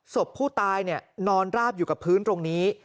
ศพผู้ตายนอนราบอยู่กับพื้นตรงนี้